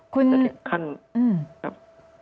คุณครั้นครับ